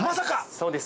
そうです。